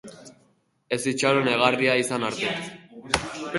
Ez itxaron egarria izan arte.